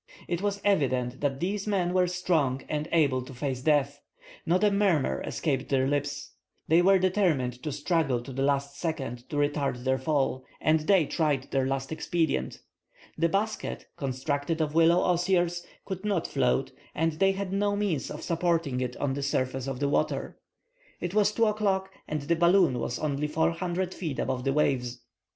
It was evident that these men were strong and able to face death. Not a murmur escaped their lips. They were determined to struggle to the last second to retard their fall, and they tried their last expedient. The basket, constructed of willow osiers, could not float, and they had no means of supporting it on the surface of the water. It was 2 o'clock, and the balloon was only 400 feet above the waves.